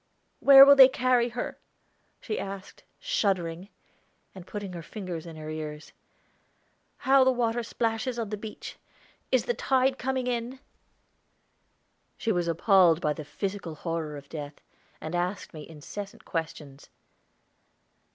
"Where will they carry her?" she asked, shuddering, and putting her fingers in her ears. "How the water splashes on the beach! Is the tide coming in?" She was appalled by the physical horror of death, and asked me incessant questions.